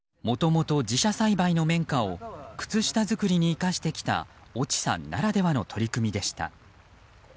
もともと自社栽培の綿花を靴下作りに生かしてきた越智さんならではの取り組みでした。